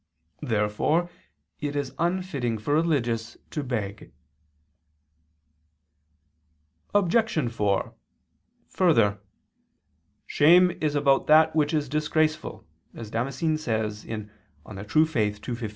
Therefore it is unfitting for religious to beg. Obj. 4: Further, "Shame is about that which is disgraceful," as Damascene says (De Fide Orth. ii, 15).